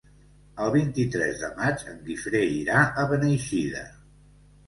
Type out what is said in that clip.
El vint-i-tres de maig en Guifré irà a Beneixida.